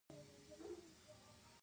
غوا يې ولوشله او بيا يې پرې واښه وخوړل